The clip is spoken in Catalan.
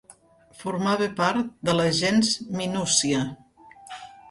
Formava part de la gens Minúcia.